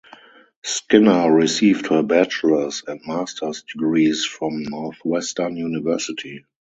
Skinner received her Bachelor's and master's degrees from Northwestern University.